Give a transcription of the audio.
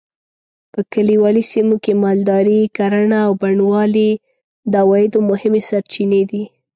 په کلیوالي سیمو کې مالداري؛ کرهڼه او بڼوالي د عوایدو مهمې سرچینې دي.